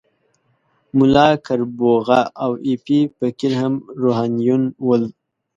ملا کربوغه او ایپی فقیر هم روحانیون ول.